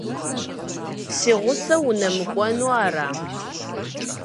Си гъусэу унэмыкӀуэну ара?